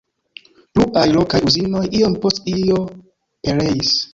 Pluaj lokaj uzinoj iom post iom pereis.